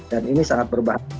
dan ini sangat berbahaya